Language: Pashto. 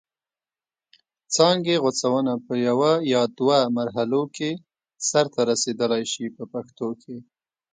څانګې غوڅونه په یوه یا دوه مرحلو کې سرته رسیدلای شي په پښتو کې.